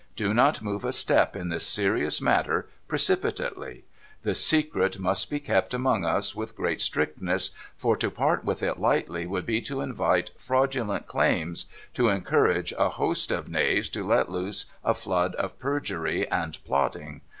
Do not move a step in this serious matter precipitately. The secret must be kept among us with great strictness, for to part with it lightly would be to invite fraudulent DISTRICT OF SOHO 495 claims, to encourage a host of knaves, to let loose a flood of perjury and plotting.